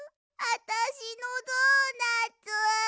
あたしのドーナツ。